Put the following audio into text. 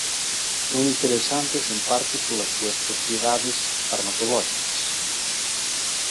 Son interesantes en parte polas súas propiedades farmacolóxicas.